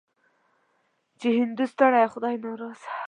چې هندو ستړی او خدای ناراضه.